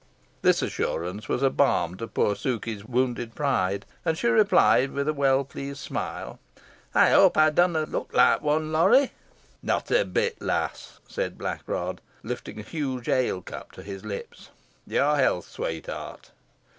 This assurance was a balm to poor Sukey's wounded spirit, and she replied with a well pleased smile, "Ey hope ey dunna look like one, Lorry." "Not a bit, lass," said Blackrod, lifting a huge ale cup to his lips. "Your health, sweetheart."